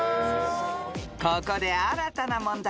［ここで新たな問題を追加］